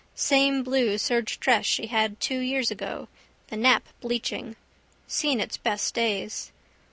Same blue serge dress she had two years ago, the nap bleaching. Seen its best days.